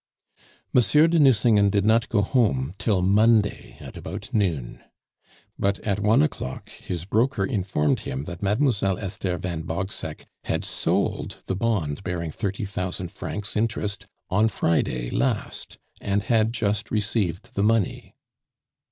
Monsieur de Nucingen did not go home till Monday at about noon. But at one o'clock his broker informed him that Mademoiselle Esther van Bogseck had sold the bond bearing thirty thousand francs interest on Friday last, and had just received the money.